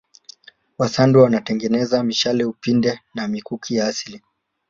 wasandawe wanatengeneza mishale upinde na mikuki ya asili